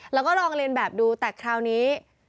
แล้วก็ลองเรียนแบบดูแต่คราวนี้